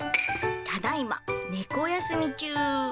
ただいま猫休み中。